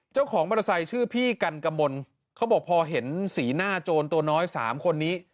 เจ้าของมอเตอร์ไซค์ชื่อพี่กันกมลเขาบอกพอเห็นสีหน้าโจรตัวน้อย๓คนนี้